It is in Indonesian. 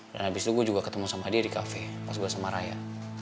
dan abis itu gue juga ketemu sama dia di kafe pas gue sama raya